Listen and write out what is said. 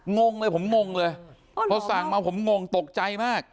งงเลยผมงงเลยพอสั่งมาผมงงตกใจมาก